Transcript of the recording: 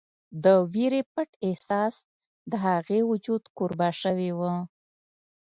د وېرې پټ احساس د هغې وجود کوربه شوی و